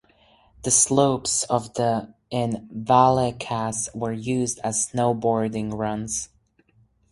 The slopes of the in Vallecas were used as snowboarding runs.